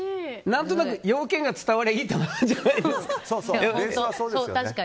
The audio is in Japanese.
何となく要件が伝わればいいと思うじゃないですか。